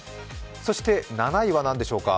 そして７位は何でしょうか。